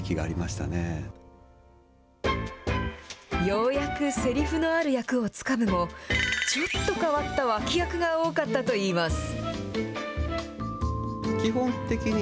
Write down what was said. ようやくせりふのある役をつかむも、ちょっと変わった脇役が多かったといいます。